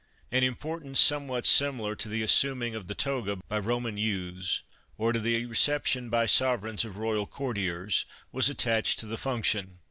An importance somewhat similar to the assuming of the toga by Roman youths, or to the reception by sovereigns of royal courtiers, was attached to the function.